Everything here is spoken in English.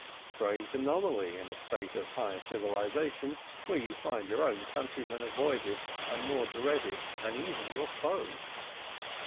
Strange anomaly, in a state of high civilisation, where you find your own countrymen avoided and more dreaded than even your foes!